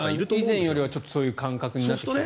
以前よりはそういう感覚になってきていますね。